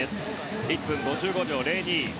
１分５５秒０２。